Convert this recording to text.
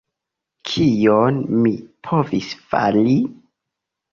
Kion mi povis fari?